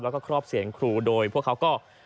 แล้วก็ครอบเสียงครูโดยพวกเขาก็